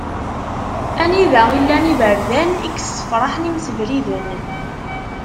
Anida i llan yiberdan i yessefraḥen imsebriden.